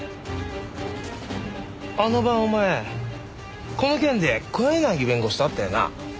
あの晩お前この件で小柳弁護士と会ったよな？